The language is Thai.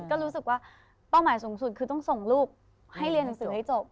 ก็รู้สึกว่าเป้าหมายสูงสุดคือต้องส่งลูกให้เรียนหนังสือให้จบ